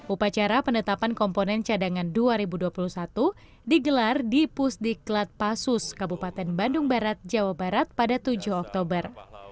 upacara penetapan komponen cadangan dua ribu dua puluh satu digelar di pusdiklat pasus kabupaten bandung barat jawa barat pada tujuh oktober